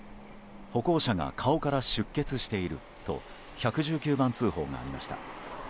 歩行者が顔から出血していると１１９番通報がありました。